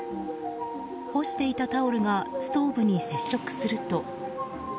干していたタオルがストーブに接触すると。